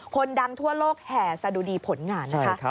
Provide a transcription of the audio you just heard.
คนดังทั่วโลกแห่สะดุดีผลงานนะคะ